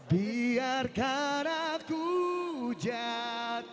biar kanak kujat